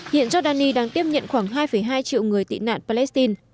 hiện giọc đan nhi đang tiếp nhận khoảng hai hai triệu người tị nạn palestine